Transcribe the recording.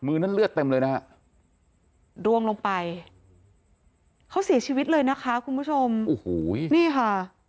นั่นเลือดเต็มเลยนะฮะร่วงลงไปเขาเสียชีวิตเลยนะคะคุณผู้ชมโอ้โหนี่ค่ะ